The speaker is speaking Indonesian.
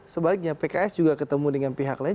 sebaliknya pks juga ketemu dengan pihak lain